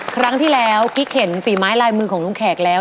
ครั้งที่แล้วกิ๊กเห็นฝีไม้ลายมือของลุงแขกแล้ว